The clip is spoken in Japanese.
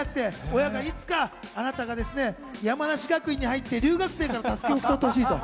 親がいつかあなたが山梨学院に入って留学生から襷を受け取ってほしいと。